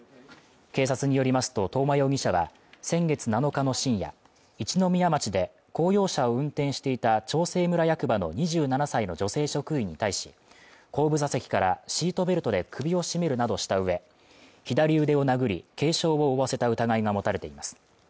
警察によりますと東間容疑者は、先月７日の深夜一宮町で公用車を運転していた、長生村役場の２７歳の女性職員に対し、後部座席からシートベルトで首を絞めるなどした上、左腕を殴り、軽傷を負わせた疑いが持たれています。